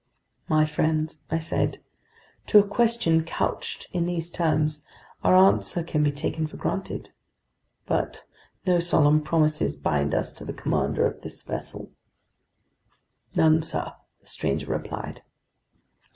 "My friends," I said, "to a question couched in these terms, our answer can be taken for granted. But no solemn promises bind us to the commander of this vessel." "None, sir," the stranger replied.